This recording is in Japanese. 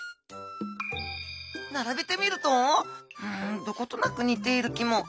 並べてみるとうんどことなく似ている気も。